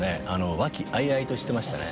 和気あいあいとしてましたね。